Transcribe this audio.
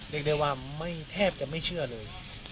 เรียกได้ว่าไม่แทบจะไม่เชื่อเลย